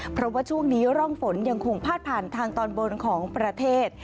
เพราะว่าช่วงนี้ร่องฝนยังคงพาดผ่านทางตอนบนของประเทศ